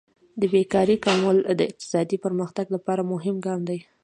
د بیکارۍ کمول د اقتصادي پرمختګ لپاره مهم ګام دی.